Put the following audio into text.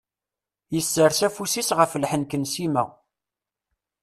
Yessers afus-is ɣef lḥenk n Sima.